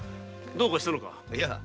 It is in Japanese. どうかしたのか？